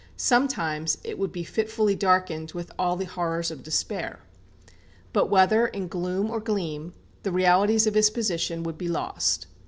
Sometimes it would be fitfully darkened with all the horrors of despair. But whether in gloom or gleam, the realities of his position would be lost.